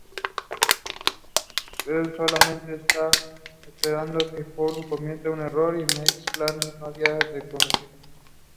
Él solamente está esperado que Furlong cometiera un error: McCandless no sabía conducir.